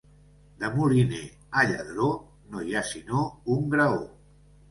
De moliner a lladró no hi ha sinó un graó.